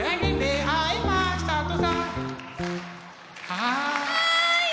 はい。